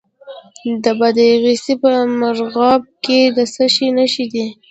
د بادغیس په مرغاب کې د څه شي نښې دي؟